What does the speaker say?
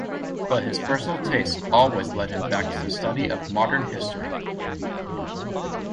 But his personal tastes always led him back to the study of modern history.